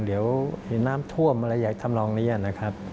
เดี๋ยวเห็นน้ำท่วมอะไรอยากทำลองนี้นะครับ